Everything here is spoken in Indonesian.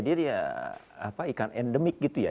dia ikan endemik gitu ya